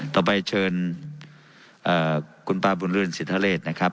ต่อไปเชิญคุณป้าบุญเรือนสิทธเลศนะครับ